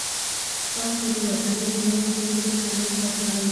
تاسو د ودانۍ جوړول پرېږدئ که مېخ بدلوئ.